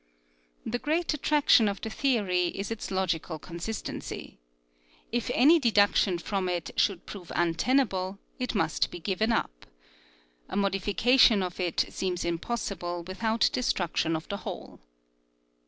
The great attraction of the theory is its logical consistency. If any deduction from it should prove untenable, it must be given up. A modification of it seems impossible with out destruction of the whole.